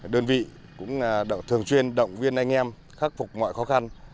đơn vị cũng thường xuyên động viên anh em khắc phục mọi khó khăn